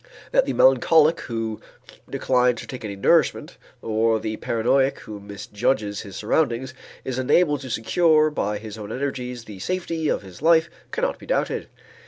That the melancholic who declines to take any nourishment, or the paranoiac who misjudges his surroundings, is unable to secure by his own energies the safety of his life cannot be doubted.